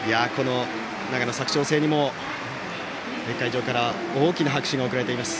長野・佐久長聖にも会場から大きな拍手が送られています。